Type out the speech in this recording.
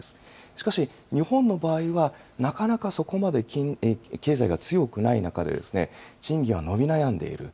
しかし、日本の場合は、なかなか、そこまで経済が強くない中で、賃金は伸び悩んでいる。